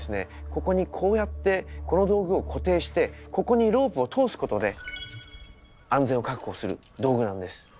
ここにこうやってこの道具を固定してここにロープを通すことで安全を確保する道具なんです。